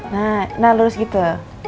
nah nah lurus gitu